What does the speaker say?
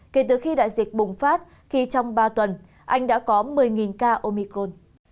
kể từ khi đại dịch bùng phát khi trong ba tuần anh đã có một mươi ca omicron